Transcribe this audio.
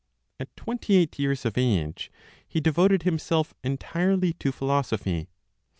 At 28 years of age he devoted himself entirely to philosophy.